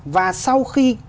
và sau khi